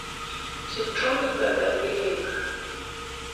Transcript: Sitrungi be ber gi ngima?